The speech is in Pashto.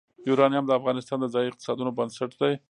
یورانیم د افغانستان د ځایي اقتصادونو بنسټ دی.